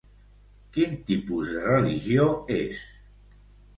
Quin tipus de religió és?